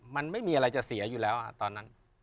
มันไม่มีอะไรจะเสียอยู่แล้วตอนนั้น